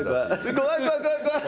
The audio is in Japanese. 怖い怖い怖い怖い。